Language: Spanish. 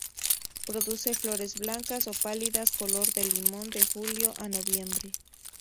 Produce flores blancas o pálidas color de limón, de julio a noviembre.